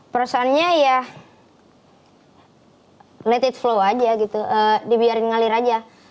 perasaannya ya late id flow aja gitu dibiarin ngalir aja